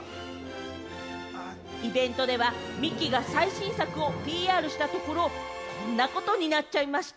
イベントではミキが最新作をＰＲしたところ、こんなことになっちゃいました。